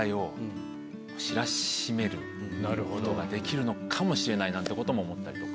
ことができるのかもしれないなんてことも思ったりとか。